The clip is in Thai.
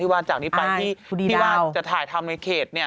ว่าจากนี้ไปที่ว่าจะถ่ายทำในเขต